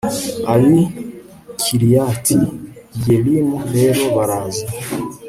ab'i kiriyati yeyarimu rero baraza